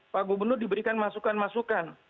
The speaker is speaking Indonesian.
pak gubernur diberikan masukan masukan